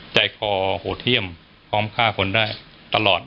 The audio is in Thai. ใจคอโหดเที่ยมพร้อมฆ่าคนได้ตลอด